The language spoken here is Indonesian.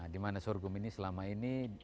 dimana sorghum ini selama ini